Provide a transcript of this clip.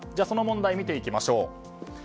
その問題を見ていきましょう。